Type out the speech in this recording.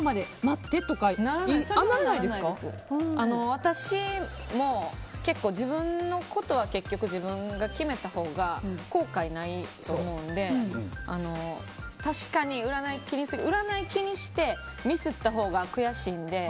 私も結構、自分のことは結局、自分が決めたほうが後悔ないと思うので確かに占い気にする占いを気にしてミスったほうが悔しいので。